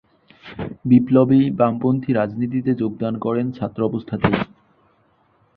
বিপ্লবী বামপন্থী রাজনীতিতে যোগদান করেন ছাত্রাবস্থাতেই।